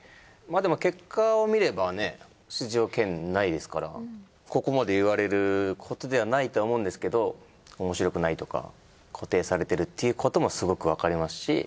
でも結果を見ればね出場圏内ですからここまで言われることではないとは思うんですけどおもしろくないとか固定されてるっていうこともすごくわかりますし。